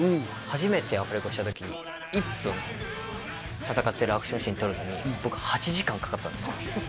初めてアフレコした時１分戦ってるアクションシーンとるのに僕８時間かかったんですよ